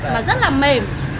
mà rất là mềm